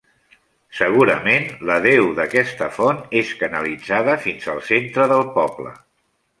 Segurament, la deu d'aquesta font és canalitzada fins al centre del poble.